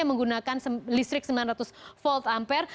yang menggunakan listrik sembilan ratus volt ampere